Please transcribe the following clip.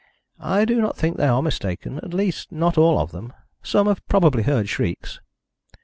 "I do not think they are mistaken at least, not all of them. Some have probably heard shrieks."